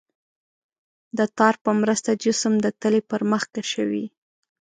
د تار په مرسته جسم د تلې پر مخ کشوي.